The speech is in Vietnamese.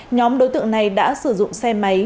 nhóm đối tượng này đã sử dụng xe máy